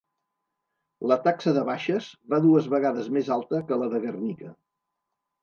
La taxa de baixes va dues vegades més alta que la de Guernica.